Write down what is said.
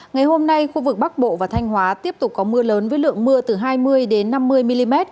ngày hôm nay khu vực bắc bộ và thanh hóa tiếp tục có mưa lớn với lượng mưa từ hai mươi năm mươi mm